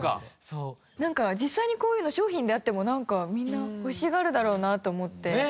なんか実際にこういうの商品であってもなんかみんな欲しがるだろうなと思って。